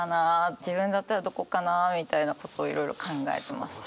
自分だったらどこかなみたいなことをいろいろ考えて。